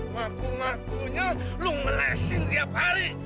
mabuk mabuknya lo melesin tiap hari